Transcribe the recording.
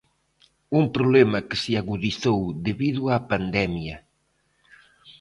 Un problema que se agudizou debido á pandemia.